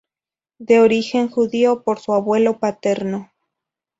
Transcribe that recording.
De origen judío, por su abuelo paterno.